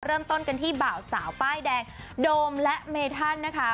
เริ่มต้นกันที่บ่าวสาวป้ายแดงโดมและเมธันนะคะ